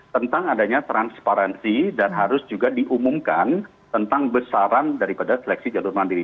tentang adanya transparansi dan harus juga diumumkan tentang besaran daripada seleksi jalur mandiri